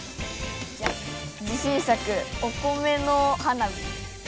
自信作お米の花火。